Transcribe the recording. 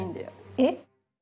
えっ？